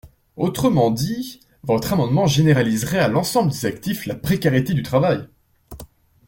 Autrement dit, votre amendement généraliserait à l’ensemble des actifs la précarité du travail.